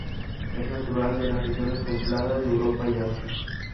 Es natural de las regiones templadas de Europa y Asia.